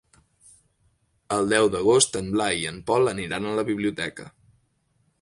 El deu d'agost en Blai i en Pol aniran a la biblioteca.